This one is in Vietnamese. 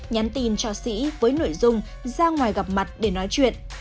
nhắn tin cho sĩ với nội dung ra ngoài gặp mặt để nói chuyện